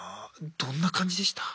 どんな感じでした？